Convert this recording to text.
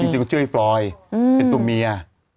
จริงชื่อไอ้ฟรอยเป็นตัวเมีย